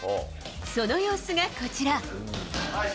その様子がこちら。